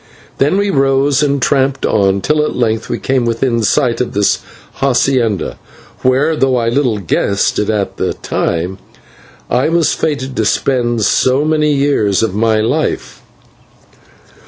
Then we rose and tramped on, till at length we came within sight of this /hacienda/, where, though I little guessed it at the time, I was fated to spend so many years of my life.